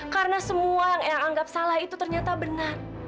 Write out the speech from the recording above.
karena semua yang eang anggap salah itu ternyata benar